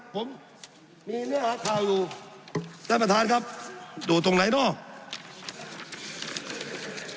ผมมีเนื้อหาข่าวอยู่ท่านประธานครับอยู่ตรงไหนเนอะ